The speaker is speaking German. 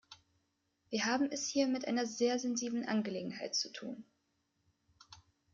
Wir haben es hier mit einer sehr sensiblen Angelegenheit zu tun.